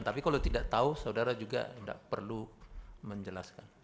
tapi kalau tidak tahu saudara juga tidak perlu menjelaskan